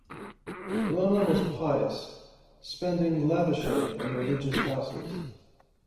Lerma was pious, spending lavishly on religious houses.